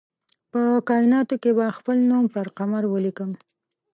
په کائیناتو کې به خپل نوم پر قمر ولیکم